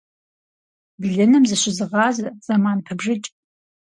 Блыным зыщызыгъазэ, зэман пыбжыкӀ.